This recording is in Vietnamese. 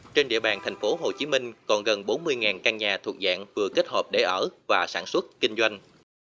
trên địa bàn tp hcm còn gần bốn mươi căn nhà thuộc dạng vừa kết hợp để ở và sản xuất kinh doanh